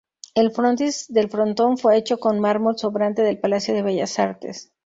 El frontis del frontón fue hecho con mármol sobrante del Palacio de Bellas Artes.